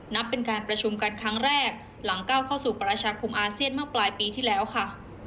นับเป็นการประชุมกันครั้งแรกหลังก้าวเข้าสู่ประชาคมอาเซียนเมื่อปลายปีที่แล้วค่ะ